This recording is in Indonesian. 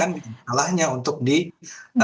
kan salahnya untuk di pertipan